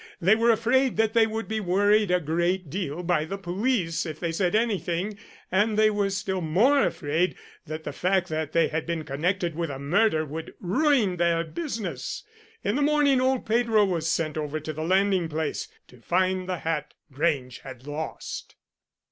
They were afraid that they would be worried a great deal by the police if they said anything, and they were still more afraid that the fact that they had been connected with a murder would ruin their business. In the morning old Pedro was sent over to the landing place to find the hat Grange had lost."